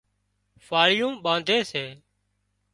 ڦاۯِيئون ٻانڌي سي